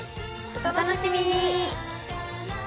お楽しみに！